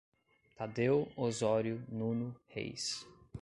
Tadeu Osório Nuno Reis